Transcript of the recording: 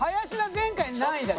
前回何位だった？